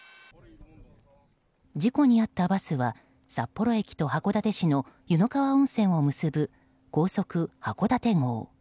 事故に遭ったバスは札幌駅と函館市の湯の川温泉を結ぶ「高速はこだて号」。